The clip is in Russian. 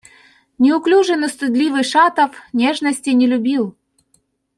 Неуклюжий, но стыдливый Шатов нежностей не любил.